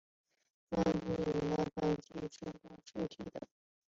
分布于南盘江及其所属水体等。